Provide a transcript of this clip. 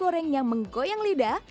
koreng yang menggoyang lidah